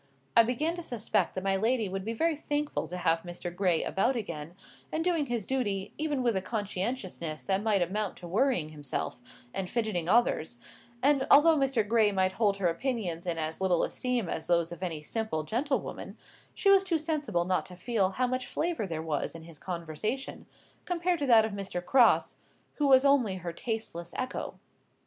I began to suspect that my lady would be very thankful to have Mr. Gray about again, and doing his duty even with a conscientiousness that might amount to worrying himself, and fidgeting others; and although Mr. Gray might hold her opinions in as little esteem as those of any simple gentlewoman, she was too sensible not to feel how much flavour there was in his conversation, compared to that of Mr. Crosse, who was only her tasteless echo.